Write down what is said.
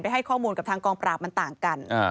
ให้ข้อมูลกับทางกองปราบมันต่างกัน